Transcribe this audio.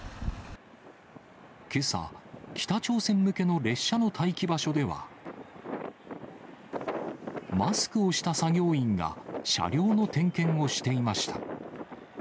けさ、北朝鮮向けの列車の待機場所では、マスクをした作業員が、車両の点検をしていました。